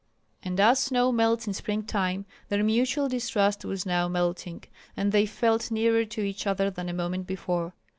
And as snow melts in spring time, their mutual distrust was now melting, and they felt nearer to each other than a moment before.